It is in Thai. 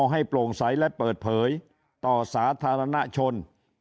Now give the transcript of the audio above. ให้โปร่งใสและเปิดเผยต่อสาธารณชน